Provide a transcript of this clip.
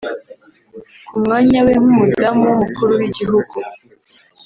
Ku mwanya we nk’Umudamu w’Umukuru w’Igihugu